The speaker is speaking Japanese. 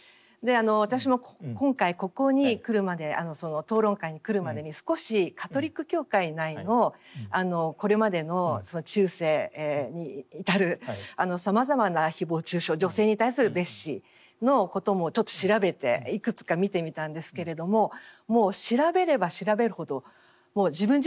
私も今回ここに来るまで討論会に来るまでに少しカトリック教会内のこれまでの中世に至るさまざまな誹謗中傷女性に対する蔑視のこともちょっと調べていくつか見てみたんですけれどももう調べれば調べるほど自分自身がつらい。